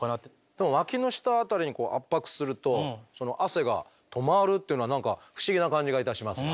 でもワキの下辺りに圧迫すると汗がとまるっていうのは何か不思議な感じがいたしますが。